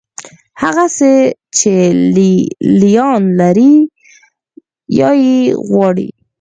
هغه څه چې لې لیان لري یا یې غواړي.